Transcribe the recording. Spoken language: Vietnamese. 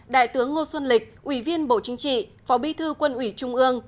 đại tướng ngô xuân lịch ủy viên bộ chính trị phó bí thư quân ủy trung ương